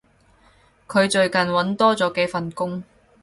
佢最近搵多咗幾份工